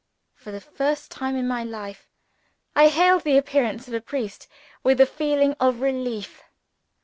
For the first time in my life, I hailed the appearance of a priest with a feeling of relief.